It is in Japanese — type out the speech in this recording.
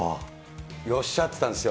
よっしゃって言ってたんですよ。